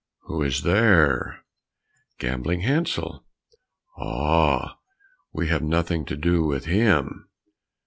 "Who is there?" "Gambling Hansel." "Ah, we will have nothing to do with him!